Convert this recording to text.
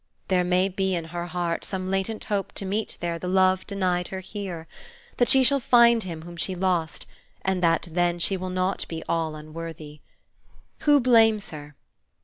There may be in her heart some latent hope to meet there the love denied her here, that she shall find him whom she lost, and that then she will not be all unworthy. Who blames her?